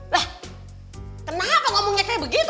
lah kenapa ngomongnya kayak begitu